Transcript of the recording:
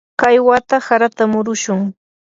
kay wata harata murushun.